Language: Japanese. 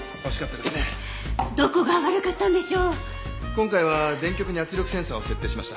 今回は電極に圧力センサーを設定しました。